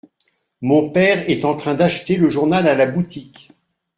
Mon père est en train d’acheter le journal à la boutique.